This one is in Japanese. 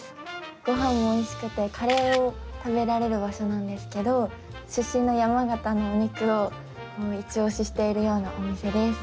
ごはんもおいしくてカレーを食べられる場所なんですけど出身の山形のお肉をいちオシしているようなお店です。